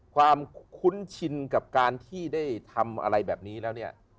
คุ้นชินกับการที่ได้ทำอะไรแบบนี้แล้วเนี่ย